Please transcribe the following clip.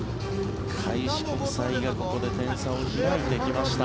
開志国際がここで点差を開いてきました。